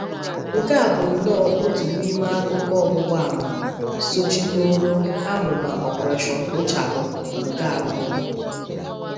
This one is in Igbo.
Nke a bụ nnọọ otu n'ime akụkọ ọgbụgba ama sochigoro amụmà 'Operation Kpochapụ' nke abụọ